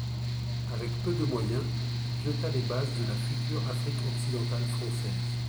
Avec peu de moyens, il jeta les bases de la future Afrique-Occidentale française.